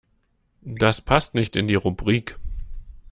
Das passt nicht in die Rubrik.